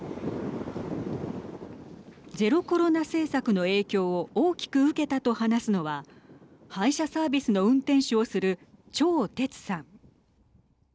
ゼロコロナ政策の影響を大きく受けたと話すのは配車サービスの運転手をする張哲さん。